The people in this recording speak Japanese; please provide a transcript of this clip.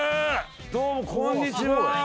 どうもこんにちは。